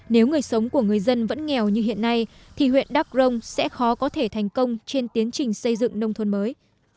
nếu người sống của người dân vẫn nghèo như hiện nay thì huyện đắk rông sẽ khó có thể thành công trên tiến trình xây dựng nông thôn mới